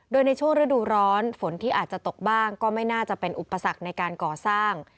โดยในช่วงฤดูร้อนฝนที่อาจจะตกบ้างก็ไม่น่าจะเป็นอุปสรรคในการก่อสร้าง